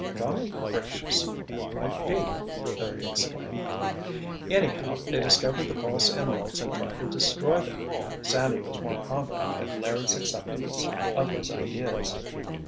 "Golly gracious! That might be," Larry exclaimed. "Anyhow, they discovered the false emeralds and tried to destroy them." Sandy was more confident at Larry's acceptance of his ideas.